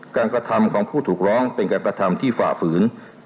กระทำของผู้ถูกร้องเป็นการกระทำที่ฝ่าฝืน